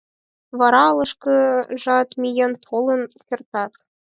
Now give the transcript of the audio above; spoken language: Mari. Вара олашкыжат миен толын кертат.